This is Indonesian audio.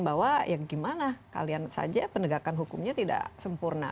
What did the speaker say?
bahwa ya gimana kalian saja penegakan hukumnya tidak sempurna